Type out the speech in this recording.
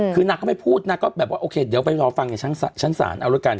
คือนางก็ไม่พูดนางก็แบบว่าโอเคเดี๋ยวไปรอฟังในชั้นศาลเอาแล้วกัน